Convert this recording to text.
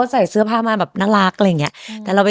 สตูมันหนาว